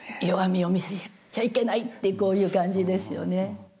弱みを見せちゃいけないってこういう感じですよね。